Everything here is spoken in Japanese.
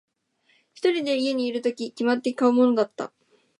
一人で家にいるとき、決まって買うものだった。